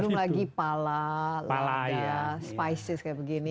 belum lagi pala lada spisis kayak begini